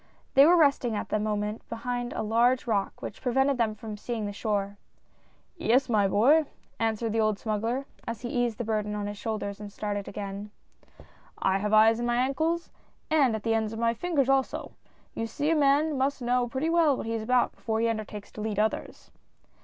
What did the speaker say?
They were resting, at the moment, behind a large rock, which prevented them from seeing the shore. THE NIGHT AFTER. 55 " Yes, my boy," answered the old smuggler, as he eased the burden on his shoulders, and started again :" I have eyes in my ankles and at the ends of my fingers also ! You see a man must know pretty well what he is about, before he undertakes to lead others."